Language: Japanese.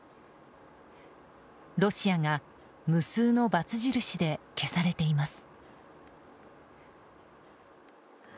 ロシアが無数のバツ印で消されています。